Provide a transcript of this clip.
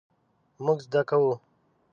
مونږ زده کوو